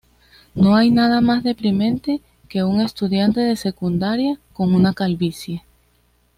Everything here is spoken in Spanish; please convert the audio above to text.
No hay nada más deprimente que un estudiante de secundaria con una calvicie".